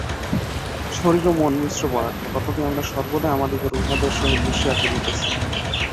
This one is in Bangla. শরীর ও মন মিশ্র পদার্থ, তথাপি আমরা সর্বদাই আমাদিগকে উহাদের সহিত মিশাইয়া ফেলিতেছি।